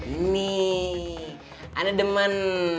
ini aneh demen